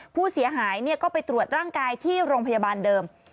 ผู้เสียหายก็ไปตรวจร่างกายที่โรงพยาบาลเดิม